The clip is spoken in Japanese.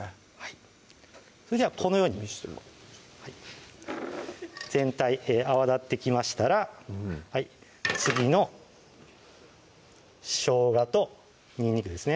それではこのように見してもらおう全体泡立ってきましたら次のしょうがとにんにくですね